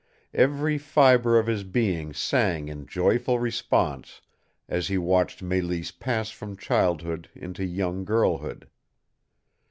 Every fiber of his being sang in joyful response as he watched Mélisse pass from childhood into young girlhood.